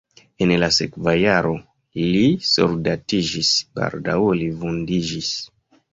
En la sekva jaro li soldatiĝis, baldaŭe li vundiĝis.